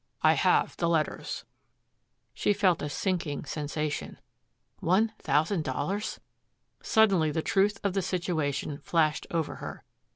I have the letters." She felt a sinking sensation. One thousand dollars! Suddenly the truth of the situation flashed over her.